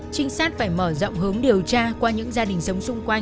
trinh sát phải mở rộng hướng điều tra qua những gia đình sống xung quanh